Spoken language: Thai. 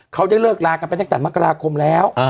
เขาได้เลิกลากันไปตั้งแต่มกราคมแล้ว